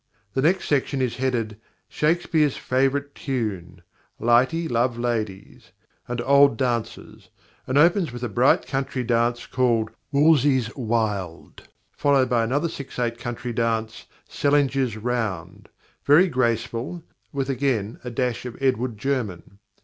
The next section is headed "Shakespeare's Favourite Tune" (Lightie Love Ladies), and old dances, and opens with a bright country dance called "Wolsey's Wild," followed by another six eight country dance, "Sellinger's Round," very graceful, with again a dash of Edward German.